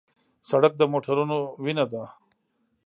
سړک د موټرو وینه ده.